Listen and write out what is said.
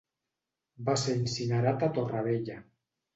Va ser incinerat a Torrevella.